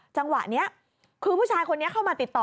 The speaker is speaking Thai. จังหวะนี้คือผู้ชายคนนี้เข้ามาติดต่อ